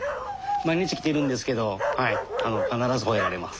毎日来てるんですけどはい必ずほえられます。